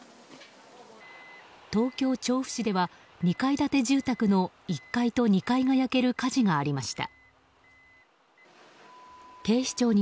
東京・調布市では２階建て住宅の１階と２階が焼ける火事がありました。